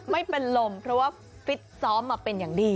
ไม่เป็นลมเพราะว่าฟิตซ้อมมาเป็นอย่างดี